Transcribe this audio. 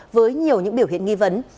với nhiều những biểu hiện nghi vấn